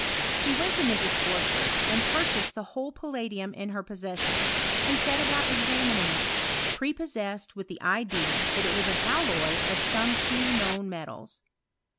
He went to Mrs. Porster's, and purchased the whole palladium in her possession, and set about examining it, prepossessed with the idea that it was an alloy of some two known metals.